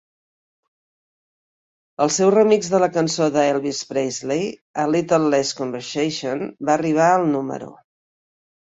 El seu remix de la cançó de Elvis Presley, "A Little Less Conversation" va arribar al número.